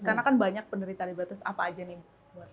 karena kan banyak penderita diabetes apa aja nih bu